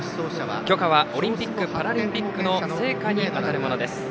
炬火はオリンピック・パラリンピックの聖火にあたるものです。